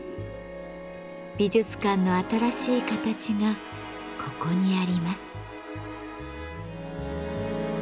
美術館の新しい形がここにあります。